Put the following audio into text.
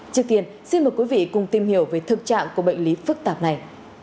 trước tiên xin mời quý vị cùng tìm hiểu về thực trạng của bệnh lý phức tạp này